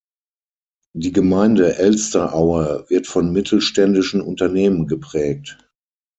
Die Gemeinde Elsteraue wird von mittelständischen Unternehmen geprägt.